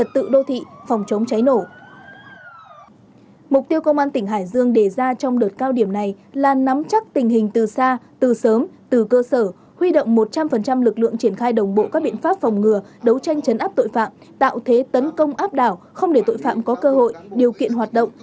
mục tiêu công an tỉnh hải dương đề ra trong đợt cao điểm này là nắm chắc tình hình từ xa từ sớm từ cơ sở huy động một trăm linh lực lượng triển khai đồng bộ các biện pháp phòng ngừa đấu tranh chấn áp tội phạm tạo thế tấn công áp đảo không để tội phạm có cơ hội điều kiện hoạt động